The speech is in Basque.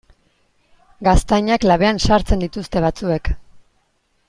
Gaztainak labean sartzen dituzte batzuek.